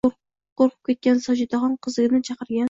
Qo`rqib ketgan Sojidaxon qizini chaqirgan